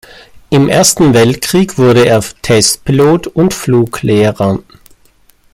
Im Ersten Weltkrieg wurde er Testpilot und Fluglehrer.